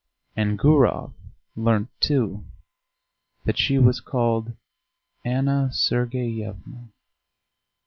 And Gurov learnt, too, that she was called Anna Sergeyevna.